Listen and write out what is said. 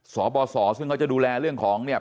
สบสซึ่งเขาจะดูแลเรื่องของเนี่ย